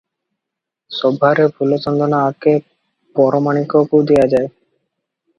ସଭାରେ ଫୁଲଚନ୍ଦନ ଆଗେ ପରମାଣିକକୁ ଦିଆଯାଏ ।